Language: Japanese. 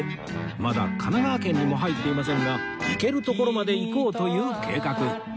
まだ神奈川県にも入っていませんが行ける所まで行こうという計画